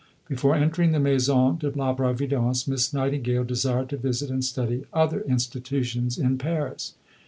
Before entering the Maison de la Providence, Miss Nightingale desired to visit and study other institutions in Paris.